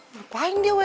ngapain dia wa